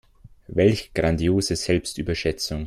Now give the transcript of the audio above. Welch grandiose Selbstüberschätzung.